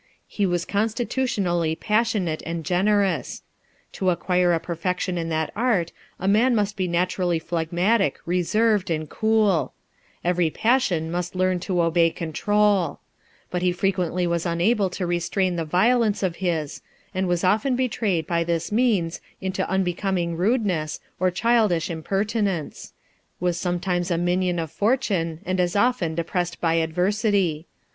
He was consti tutionally passionate and generous. To acquire a perfection in that art, a man must be naturally phlegmatic, reserved, and cool ; every passion must learn to obey control ; but he frequently was unable to restrain the violence of his, and was often betrayed by this means into unbecoming rudeness, or childish impertinence ; was sometimes a minion of fortune, and as often depressed by adversity.